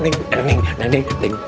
tau neng neng neng neng